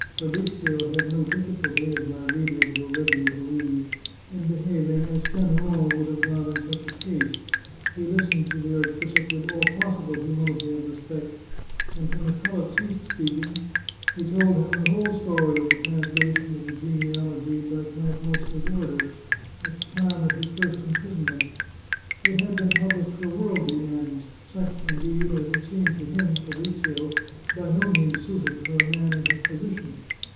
Fabrizio had no difficulty, as my readers will readily believe, in behaving as Fenelon would have done in such a case. He listened to the archbishop with all possible hu mility and respect, and when the prelate ceased speaking, he told him the whole story of the translation of the genealogy by Count Mosca's orders, at the time of his first imprison ment. It had been published for worldly ends — such, in deed, as had seemed to him (Fabrizio), by no means suited for a man in his position.